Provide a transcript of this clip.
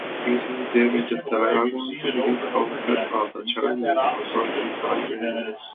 Vincent DeVita diagnosed his son Ted as a child with aplastic anemia.